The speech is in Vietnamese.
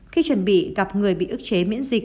khi chuẩn bị gặp người bị ức chế miễn dịch